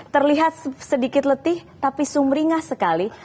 terlihat sedikit letih tapi sumringah sekali